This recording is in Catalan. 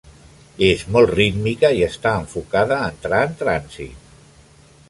És molt rítmica i està enfocada a entrar en trànsit.